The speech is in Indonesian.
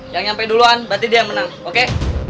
yang nyampe duluan berarti dia yang menang oke